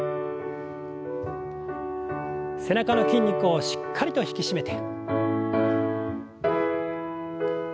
背中の筋肉をしっかりと引き締めて。